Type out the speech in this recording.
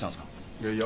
いやいや。